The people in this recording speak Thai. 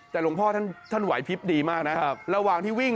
แต่หลวงพ่อท่านไหวพลิบดีมากนะระหว่างที่วิ่ง